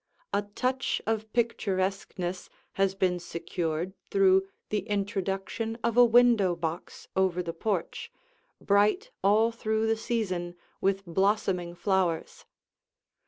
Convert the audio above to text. A touch of picturesqueness has been secured through the introduction of a window box over the porch, bright all through the season with blossoming flowers.